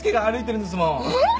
えっ？